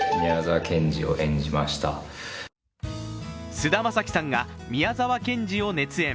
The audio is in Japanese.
菅田将暉さんが宮沢賢治を熱演。